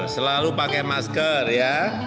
selalu pakai masker ya